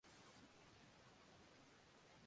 黾学创始人。